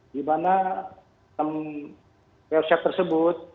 di mana website tersebut